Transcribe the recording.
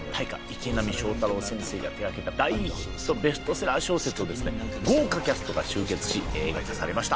池波正太郎先生が手がけた大ヒットベストセラ―小説を豪華キャストが集結し映画化されました。